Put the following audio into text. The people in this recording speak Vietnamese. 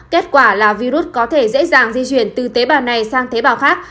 kết quả là virus có thể dễ dàng di chuyển từ tế bào này sang tế bào khác